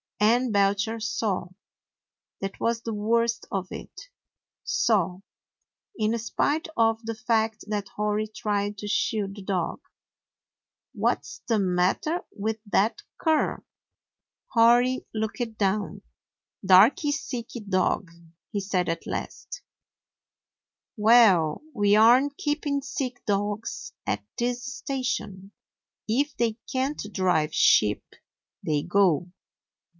And Belcher *saw. That was the worst of it; saw, in spite of the fact that Hori tried to shield the dog. "What 's the matter with that cur?" 119 DOG HEROES OF MANY LANDS Hori looked down. 4 'Darky sick dog," he said at last. "Well, we aren't keeping sick dogs at this station. If they can't drive sheep, they go.